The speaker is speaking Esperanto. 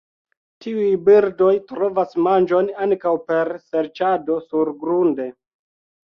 Tiuj birdoj trovas manĝon ankaŭ per serĉado surgrunde.